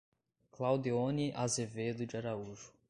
Claudeone Azevedo de Araújo